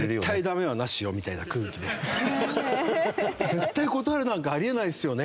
絶対断るなんかあり得ないですよね？